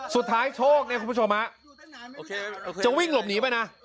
สุดท้ายโชคคุณผู้ชมจะวิ่งหลบหนีไปนะ